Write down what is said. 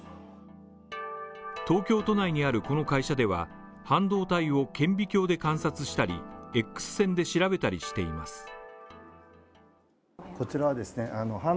東京都内にあるこの会社では、半導体を顕微鏡で観察したり、Ｘ線で調べたりしています。